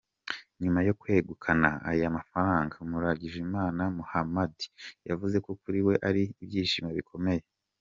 Nyuma yo kwegukana aya mafaranga, Muragijimana Muhamadi yavuze ko kuri we ari ibyishimo bikomeye.